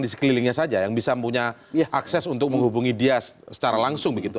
di sekelilingnya saja yang bisa punya akses untuk menghubungi dia secara langsung begitu